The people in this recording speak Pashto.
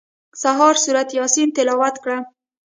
سهار سورت یاسین تلاوت کړه.